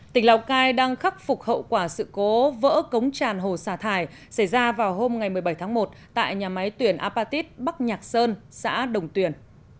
tỉnh lào cai đang khắc phục hậu quả sự cố vỡ cống tràn hồ xả thải xảy ra vào hôm một mươi bảy tháng một tại nhà máy tuyển apatit bắc nhạc sơn xã đồng tuyển